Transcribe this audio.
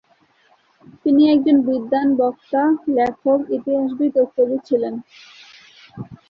তিনি একজন বিদ্বান, বক্তা, লেখক, ইতিহাসবিদ ও কবি ছিলেন।